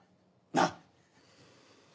なっ！